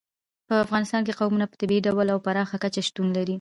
په افغانستان کې قومونه په طبیعي ډول او پراخه کچه شتون لري.